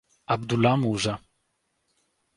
Abdullah Musa